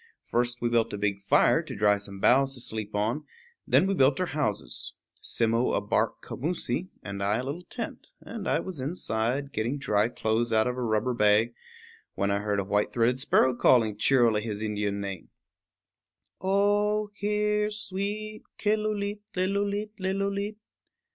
First we built a big fire to dry some boughs to sleep upon; then we built our houses, Simmo a bark commoosie, and I a little tent; and I was inside, getting dry clothes out of a rubber bag, when I heard a white throated sparrow calling cheerily his Indian name, _O hear, sweet Killooleet lillooleet lillooleet!